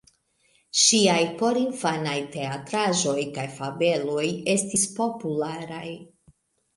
Ŝiaj porinfanaj teatraĵoj kaj fabeloj estis popularaj.